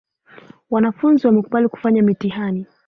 wanafunzi wamekubali kufanya mitihani.